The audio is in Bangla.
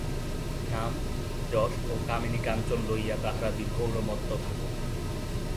নাম, যশ ও কামিনী-কাঞ্চন লইয়া তাহারা বিভোর ও মত্ত থাকুক।